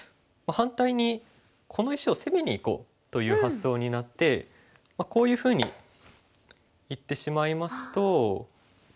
反対にこの石を攻めにいこうという発想になってこういうふうにいってしまいますと。